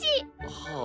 はあ。